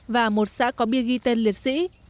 và một xã có bia ghi tên liệt sĩ